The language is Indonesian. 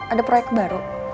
ada proyek baru